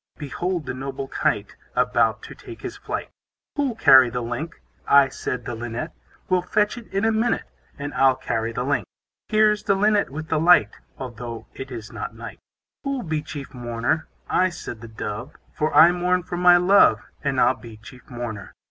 Behold the noble Kite, About to take his flight. Who'll carry the link? I, said the Linnet, Will fetch it in a minute, And I'll carry the link. Here's the Linnet with the light, Although it is not night. Who'll be chief mourner? I, said the Dove; For I mourn for my love; And I'll be chief mourner.